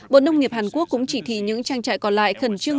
bộ nông nghiệp hàn quốc cũng chỉ thị những trang trại còn lại khẩn trương